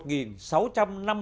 khi lập dự án là